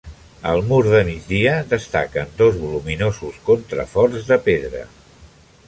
Al mur de migdia destaquen dos voluminosos contraforts de pedra.